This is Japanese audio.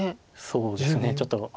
そうですねちょっと。